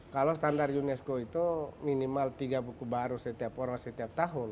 kalau standar unesco itu minimal tiga buku baru setiap orang setiap tahun